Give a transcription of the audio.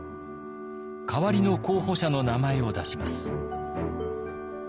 代わりの候補者の名前を出します。